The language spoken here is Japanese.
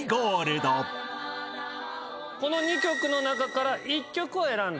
この２曲の中から１曲を選んで。